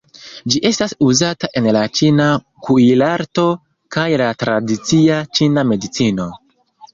Ĝi estas uzata en la ĉina kuirarto kaj la tradicia ĉina medicino.